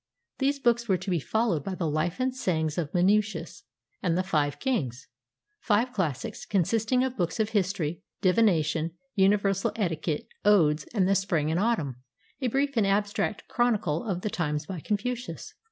These books were to be followed by the "Life and Sayings of Men cius," and the "Five Kings" — five classics, consisting of books of history, divination, universal etiquette, odes and the "Spring and Autumn," "a brief and abstract chronicle of the times" by Confucius.